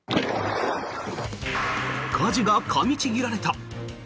かじがかみちぎられた！